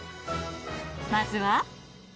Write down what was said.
まずは。